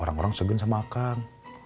orang orang segen sama akan